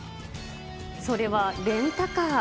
それはレンタカー。